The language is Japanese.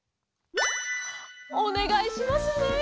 おねがいしますね。